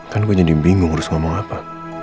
kan gue jadi bingung harus ngomong apa